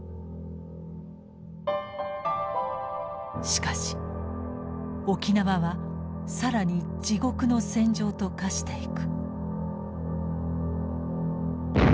しかし沖縄は更に地獄の戦場と化していく。